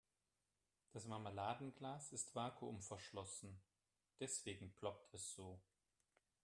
Das Marmeladenglas ist vakuumverschlossen, deswegen ploppt es so.